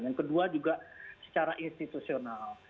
yang kedua juga secara institusional